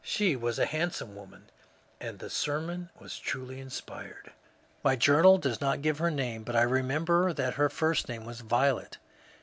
She was a handsome woman, — and the sermon was truly inspired." My journal does not give her name, but I remember that her first name was Violet.